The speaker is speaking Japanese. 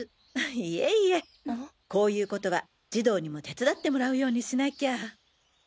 いえいえこういう事は児童にも手伝ってもらうようにしなきゃあ。